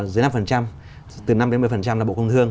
dưới năm từ năm đến một mươi là bộ công thương